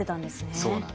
そうなんです。